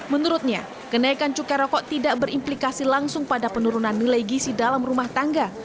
menurutnya kenaikan cukai rokok tidak berimplikasi langsung pada penurunan nilai gisi dalam rumah tangga